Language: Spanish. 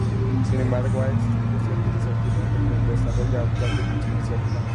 Sin embargo ha existido cierta incertidumbre del desarrollo actual de dicha iniciativa.